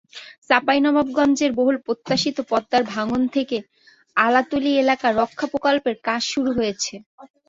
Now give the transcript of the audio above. চাঁপাইনবাবগঞ্জে বহুল প্রত্যাশিত পদ্মার ভাঙন থেকে আলাতুলি এলাকা রক্ষা প্রকল্পের কাজ শুরু হয়েছে।